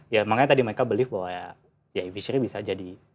ya makanya tadi mereka believe bahwa ya e fishery bisa jadi